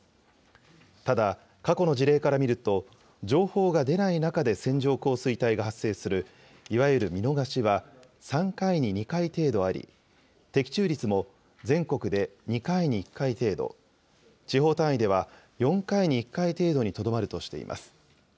ただ、過去の事例から見ると、情報が出ない中で線状降水帯が発生する、いわゆる見逃しは、３回に２回程度あり、的中率も全国で２回に１回程度、地方単位では４回に１回程度にとどまるとしています。